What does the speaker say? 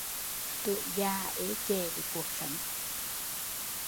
Tuổi già ê chề với cuộc sống